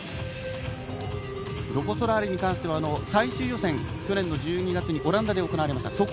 ロコ・ソラーレに関しては最終予選、去年の１２月にオランダで行われました。